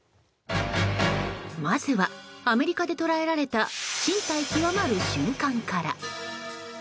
まずはアメリカで捉えられた進退窮まる瞬間から。